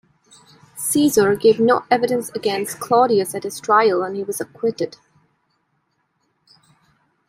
Caesar gave no evidence against Clodius at his trial, and he was acquitted.